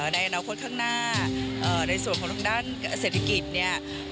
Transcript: ในอนาคตข้างหน้าในส่วนของทางด้านเศรษฐกิจเนี่ย